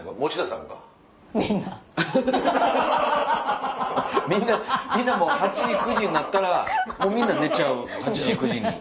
みんなみんなもう８時９時になったらみんな寝ちゃう８時９時に。